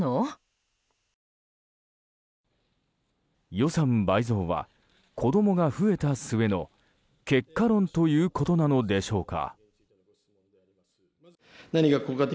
予算倍増は、子供が増えた末の結果論ということなのでしょうか。